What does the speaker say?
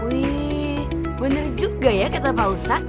wih benar juga ya kata pak ustadz